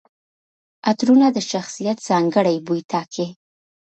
عطرونه د شخصیت ځانګړي بوی ټاکي.